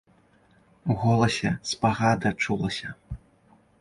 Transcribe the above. У голасе спагада чулася.